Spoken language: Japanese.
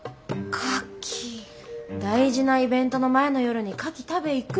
大事なイベントの前の夜にカキ食べ行く？